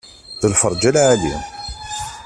D lferja n lεali.